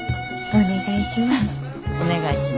お願いします。